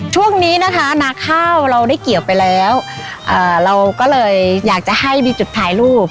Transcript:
ช่วงนี้นะคะนาข้าวเราได้เกี่ยวไปแล้วเราก็เลยอยากจะให้มีจุดถ่ายรูป